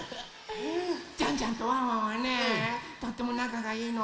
ジャンジャンとワンワンはねとってもなかがいいの。